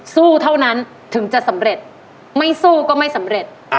สู้เท่านั้นถึงจะสำเร็จไม่สู้ก็ไม่สำเร็จ